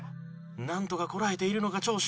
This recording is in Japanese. なんとかこらえているのが長州。